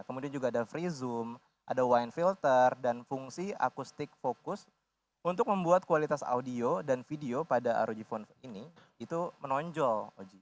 kemudian juga ada free zoom ada wine filter dan fungsi akustik fokus untuk membuat kualitas audio dan video pada rog phone ini itu menonjol